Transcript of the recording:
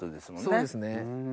そうですね。